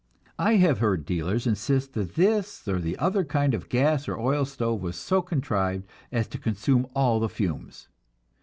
I have heard dealers insist that this or the other kind of gas or oil stove was so contrived as to consume all the fumes.